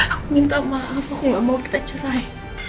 aku minta maaf aku gak mau kita cerai